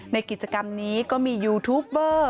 ในกิจกรรมนี้ก็มียูทูปเบอร์